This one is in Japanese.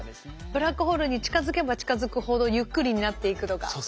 ブラックホールに近づけば近づくほどゆっくりになっていくとか。